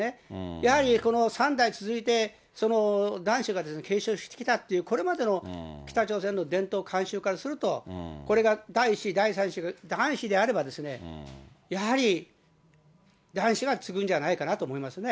やはりこの３代続いて男子が継承してきたっていう、これまでの北朝鮮の伝統、慣習からすると、これが第１子、第３子が男子であれば、やはり第１子が継ぐんじゃないかなと思いますね。